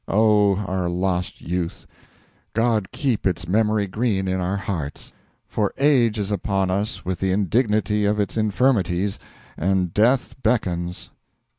Oh, our lost Youth God keep its memory green in our hearts! for Age is upon us, with the indignity of its infirmities, and Death beckons!